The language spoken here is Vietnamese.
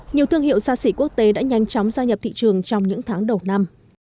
nhiều thương hiệu gia sĩ quốc tế đã nhanh chóng gia nhập thị trường trong những tháng đầu năm